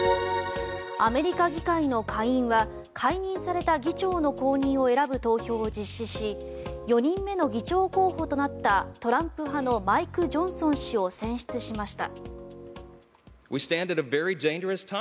アメリカ議会の下院は解任された議長の後任を選ぶ投票を実施し４人目の議長候補となったトランプ派のマイク・ジョンソン氏を選出しました。